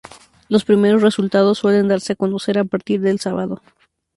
Los primeros resultados suelen darse a conocer a partir del sábado.